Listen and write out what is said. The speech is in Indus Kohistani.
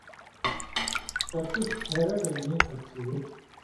کہ تُس پھېرٹہۡ نی تھو کھیں